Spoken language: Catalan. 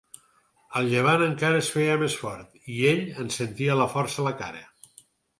El llevant encara es feia més fort, i ell en sentia la força a la cara.